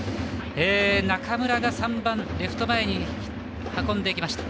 中村が３番レフト前に運んできました。